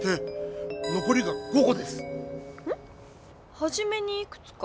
⁉はじめにいくつか？